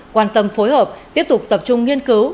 quan tâm phối hợp tiếp tục tập trung nghiên cứu